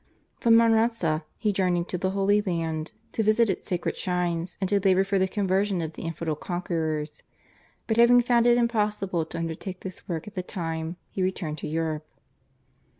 From Manresa he journeyed to the Holy Land to visit its sacred shrines, and to labour for the conversion of the Infidel conquerors, but having found it impossible to undertake this work at the time he returned to Europe.